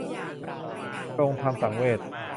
ปลงธรรมสังเวช